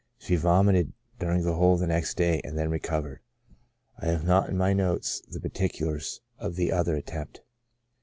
She vomited during the whole of the next day, and then recovered. I have not in my notes the particulars of the other attempt.